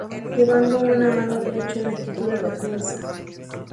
Llevando una mano derecha en actitud de defensa.